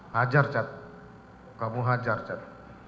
hajar cat kamu hajar cat